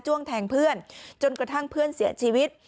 แทงเพื่อนจนกระทั่งเพื่อนเสียชีวิต